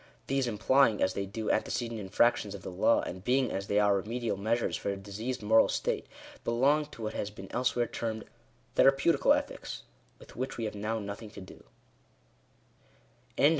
These implying, as they do, antecedent infractions of the law, and being, as they are, remedial measures for a diseased moral state, belong to what has been elsewhere termed Thera peutical Ethics, with which we have now nothing to do.